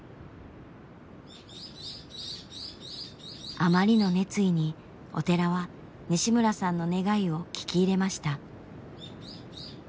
あまりの熱意にお寺は西村さんの願いを聞き入れました。